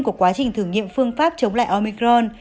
của quá trình thử nghiệm phương pháp chống lại omicron